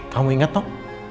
kamu ingat nuk